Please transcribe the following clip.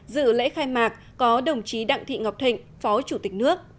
dự lễ khai mạc có đồng chí đặng thị ngọc thịnh phó chủ tịch nước